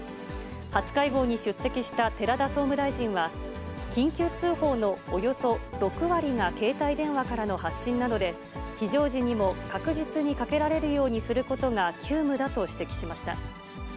初会合に出席した寺田総務大臣は、緊急通報のおよそ６割が携帯電話からの発信なので、非常時にも確実にかけられるようにすることが急務だと指摘しました。